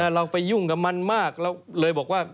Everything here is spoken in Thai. เราไปยุ่งกับมันมากเราเลยบอกว่า